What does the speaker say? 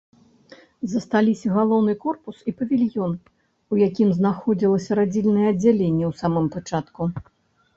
Засталіся галоўны корпус і павільён, у якім знаходзілася радзільнае аддзяленне ў самым пачатку.